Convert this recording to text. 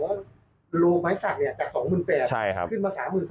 ลงไม้ศักดิ์เนี้ยจาก๒๘๐๐๐บาท